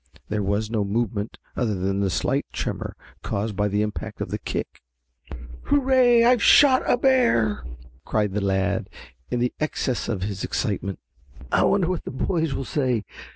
There was no movement other than a slight tremor caused by the impact of the kick. "Hurrah, I've shot a bear!" cried the lad in the excess of his excitement. "I wonder what the boys will say.